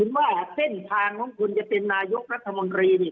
คุณว่าเส้นทางน้องคุณจะเป็นนายกรัฐมนตรีเนี่ย